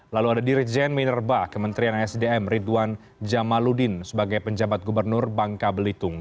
lalu ada dirjen minerba kementerian sdm ridwan jamaludin sebagai penjabat gubernur bangka belitung